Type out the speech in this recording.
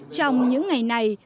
trong những ngày này